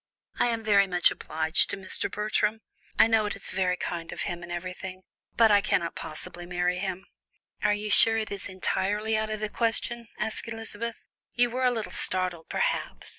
"I am very much obliged to Mr. Bertram I know it is very kind of him, and everything, but I cannot possibly marry him." "Are you sure it is entirely out of the question?" asked Elizabeth. "You were a little startled, perhaps.